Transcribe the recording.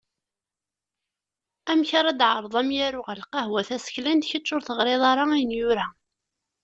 Amek ara d-tɛerḍeḍ amyaru ɣer lqahwa taseklant, kečč ur teɣriḍ ara ayen yura?